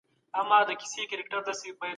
د ماشوم د خبرو کولو وخت ته پام وکړئ.